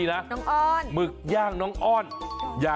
หมึกย่างน้องอ้อนฮะ